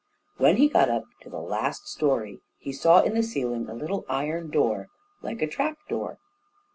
When he got up to the last story, he saw in the ceiling a little iron door like a trap door.